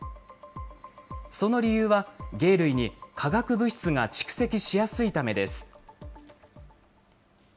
その理由は、鯨類に化学物質が蓄積しやすいためです。